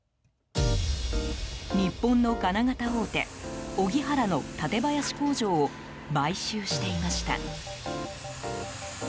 日本の金型大手オギハラの館林工場を買収していました。